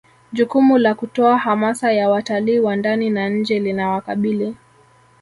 jukumu la kutoa hamasa ya watalii wa ndani na nje linawakabili